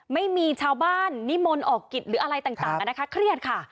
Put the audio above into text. ไม่มีชาวบ้านนิมนต์ออกกิจหรืออะไรต่างนะคะเครียดค่ะ